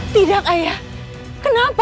tidak ayah kenapa